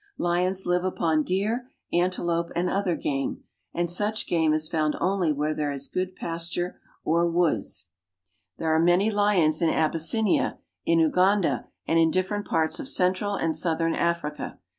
Lions live L deer, antelope, and other game, and such game is tnd only where there is good pasture or woods. There i6o ^^H are many lions in Abyssinia, in Uganda, and in different ^^H parts of central and southern Africa.